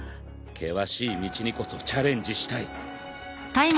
険しい道にこそチャレンジしたい。